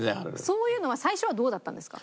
そういうのは最初はどうだったんですか？